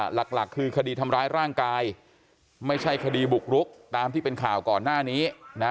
หลักคือคดีทำร้ายร่างกายไม่ใช่คดีบุกรุกตามที่เป็นข่าวก่อนหน้านี้นะ